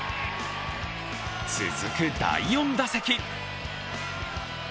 続く第４打席。